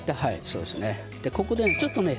ここでちょっとね